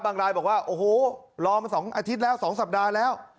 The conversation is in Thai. รายบอกว่าโอ้โหรอมา๒อาทิตย์แล้ว๒สัปดาห์แล้ว